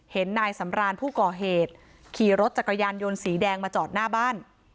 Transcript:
นายสำรานผู้ก่อเหตุขี่รถจักรยานยนต์สีแดงมาจอดหน้าบ้าน